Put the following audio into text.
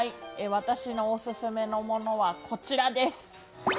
私のオススメのものは、こちらです。